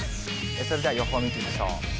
それでは予報見ていきましょう。